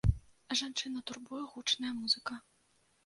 Жанчыну турбуе гучная музыка.